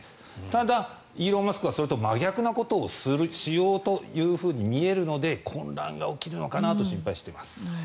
ただイーロン・マスクはその真逆のことをしようというふうに見えるので混乱が起きるのかなと心配しています。